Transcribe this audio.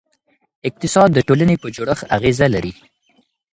اقتصاد د ټولنې په جوړښت اغېزه لري.